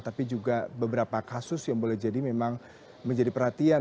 tapi juga beberapa kasus yang boleh jadi memang menjadi perhatian